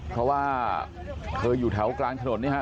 เพราะว่าเคยอยู่แถวกลานขนนี้นะฮะ